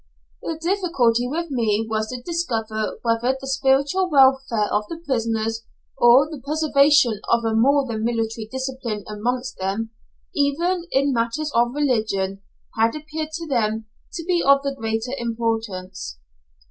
The difficulty with me was to discover whether the spiritual welfare of the prisoners, or the preservation of a more than military discipline amongst them, even in matters of religion, had appeared to them to be of the greater importance.